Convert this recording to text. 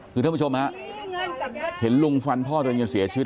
คือท่านผู้ชมฮะเห็นลุงฟันพ่อจนจนเสียชีวิต